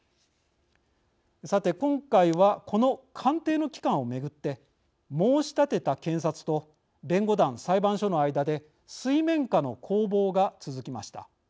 さて、今回はこの鑑定の期間を巡って申し立てた検察と弁護団裁判所の間で水面下の攻防が続きました。